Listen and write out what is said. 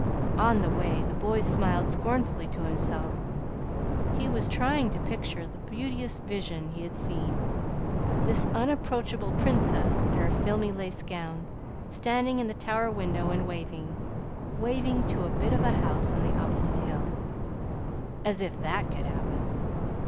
On the way the boy smiled scornfully to himself. He was trying to picture the beauteous vision he had seen, this unapproachable Princess in her filmy lace gown, standing in the tower window and waving waving to a bit of a house on the opposite hill. As if that could happen!